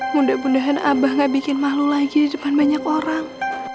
mudah mudahan abah gak bikin malu lagi di depan banyak orang